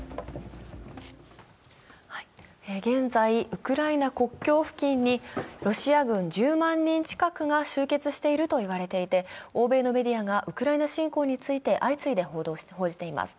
現在、ウクライナ国境付近にロシア軍１０万人近くが終結していると言われていて、欧米のメディアがウクライナ侵攻について相次いで報じています。